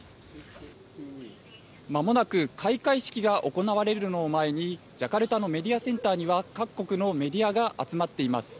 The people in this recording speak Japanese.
まもなく開会式が行われるのを前にジャカルタのメディアセンターには各国のメディアが集まっています。